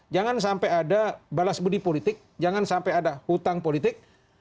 jangan sampai ada balas budi politik jangan sampai ada hutang politik